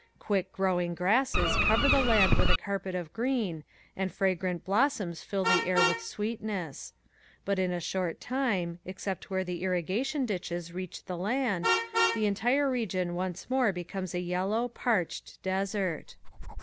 Quick growing grasses cover the land with a carpet of green and fragrant blossoms fill the air with sweetness; but in a short time, except where the irrigation ditches reach the land, the entire region once more becomes a yellow, parched desert.